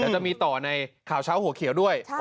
จะมีต่อในข่าวเช้าโห่เขียวด้วย